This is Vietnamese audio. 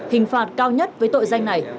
hình phạt cao nhất với tội danh này